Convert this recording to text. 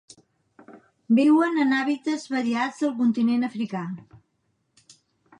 Viuen en hàbitats variats del Continent africà.